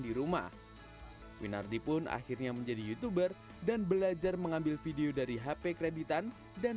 di rumah winardi pun akhirnya menjadi youtuber dan belajar mengambil video dari hp kreditan dan